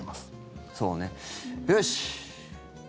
よし！